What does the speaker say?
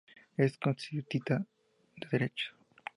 Es "constitutiva de derechos.